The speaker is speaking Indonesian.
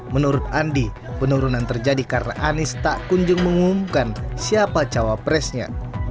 menurut andi penurunan terjadi karena anies tak kunjung mengumumkan siapa cawapresnya